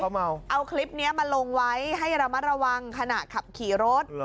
เอาคลิปนี้มาลงไว้ให้ระมัดระวังขณะขับขี่รถ